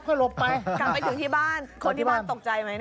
กลับไปถึงที่บ้านคนที่บ้านตกใจไหม